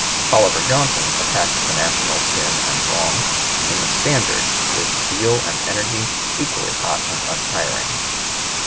Oliver Johnson attacked the national sin and wrong, in the "Standard," with zeal and energy equally hot and untiring.